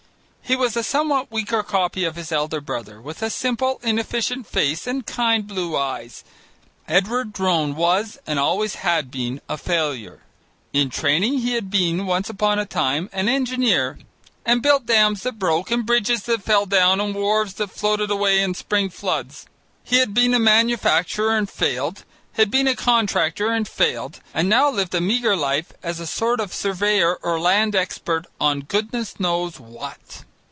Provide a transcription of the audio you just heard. He was a somewhat weaker copy of his elder brother, with a simple, inefficient face and kind blue eyes. Edward Drone was, and always had been, a failure. In training he had been, once upon a time, an engineer and built dams that broke and bridges that fell down and wharves that floated away in the spring floods. He had been a manufacturer and failed, had been a contractor and failed, and now lived a meagre life as a sort of surveyor or land expert on goodness knows what.